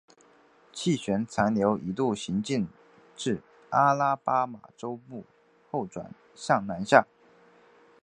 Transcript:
气旋残留一度行进至阿拉巴马州中部后转向南下。